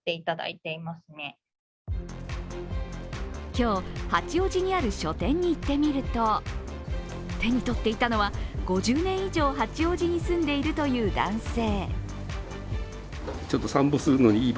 今日、八王子にある書店に行ってみると手に取っていたのは５０年以上、八王子に住んでいるという男性。